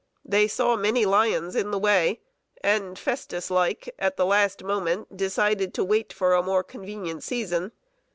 They saw many lions in the way, and, Festus like, at the last moment, decided to wait for a more convenient season.